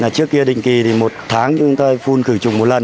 trước kia định kỳ một tháng chúng ta phun khử trùng một lần